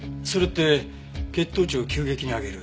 それって血糖値を急激に上げる。